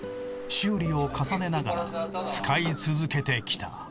修理を重ねながら使い続けてきた。